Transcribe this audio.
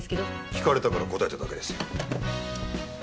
聞かれたから答えただけですよ。